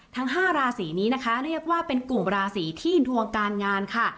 ทั้ง๕ราศีนี้นะคะเรียกว่าเป็นกลุ่มราศีที่ดวงการงานค่ะ